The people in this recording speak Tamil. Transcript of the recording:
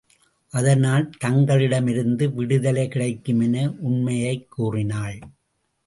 அதனால், தங்களிடமிருந்து விடுதலை கிடைக்கும் என உண்மையைக் கூறினாள்.